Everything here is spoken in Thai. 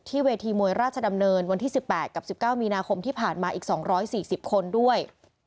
เวทีมวยราชดำเนินวันที่๑๘กับ๑๙มีนาคมที่ผ่านมาอีก๒๔๐คนด้วย